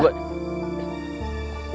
gue capek tak